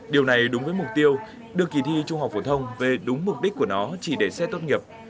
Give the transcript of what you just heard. điều này đúng với mục tiêu đưa kỳ thi trung học phổ thông về đúng mục đích của nó chỉ để xét tốt nghiệp